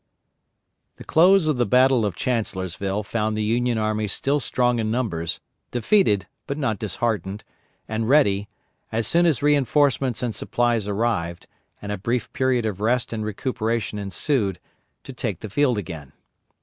The close of the battle of Chancellorsville found the Union army still strong in numbers, defeated, but not disheartened, and ready, as soon as reinforcements and supplies arrived, and a brief period of rest and recuperation ensued, to take the field again.